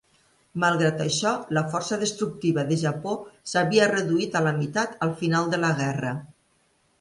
Malgrat això, la força destructiva de Japó s'havia reduït a la meitat al final de la guerra.